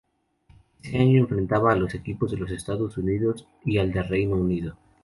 Ese año enfrentaba a los equipos de Estados Unidos y al del Reino Unido.